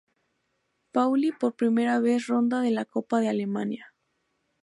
Pauli por la primera ronda de la Copa de Alemania.